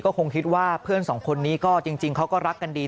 คงคิดว่าเพื่อนสองคนนี้ก็จริงเขาก็รักกันดี